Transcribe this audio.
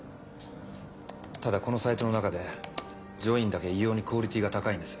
ただこのサイトの中で『ジョイン』だけ異様にクオリティーが高いんです。